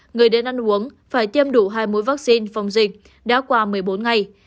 người đến ăn uống phải tiêm đủ hai mũi vaccine phòng dịch đã qua một mươi bốn ngày